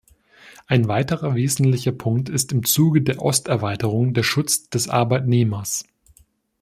Ein weiterer wesentlicher Punkt ist im Zuge der Osterweiterung der Schutz des Arbeitnehmers.